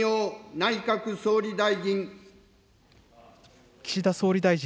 内閣総理大臣。